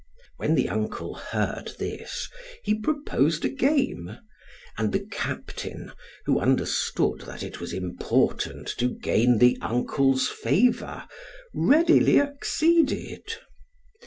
When the uncle heard this, he proposed a game; and the captain, who understood that it was important to gain the uncle's favor, readily acceded.